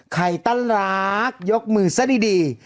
ใครตั้นรักยกมือซะดี